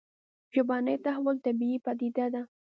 ژبني تحول طبیعي پديده ده